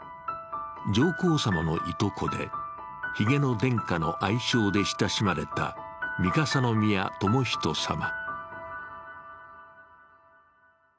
上皇さまのいとこで、ヒゲの殿下の愛称で親しまれた三笠宮寛仁さま。